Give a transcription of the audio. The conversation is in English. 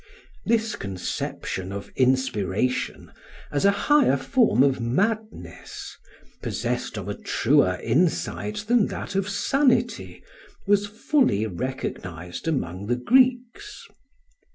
This conception of inspiration as a higher form of madness, possessed of a truer insight than that of sanity, was fully recognised among the Greeks.